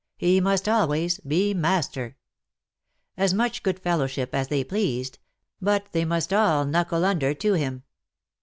He must always be master. As much good fellowship as they pleased — but they must all knuckle under to him.